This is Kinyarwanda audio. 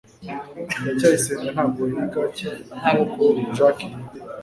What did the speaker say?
ndacyayisenga ntabwo yiga cy nkuko jaki yiga